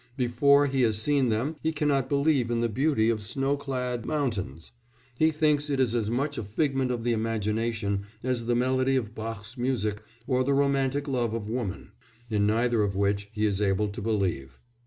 Before he has seen them he cannot believe in the beauty of snow clad mountains; he thinks it as much a figment of the imagination as the melody of Bach's music or the romantic love of woman, in neither of which he is able to believe.